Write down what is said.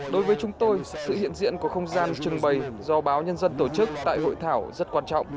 đối với chúng tôi sự hiện diện của không gian trưng bày do báo nhân dân tổ chức tại hội thảo rất quan trọng